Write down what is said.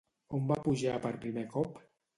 On va pujar per primer cop?